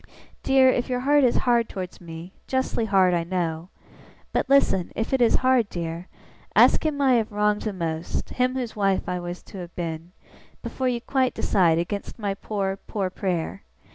'Dear, if your heart is hard towards me justly hard, I know but, listen, if it is hard, dear, ask him I have wronged the most him whose wife I was to have been before you quite decide against my poor poor prayer!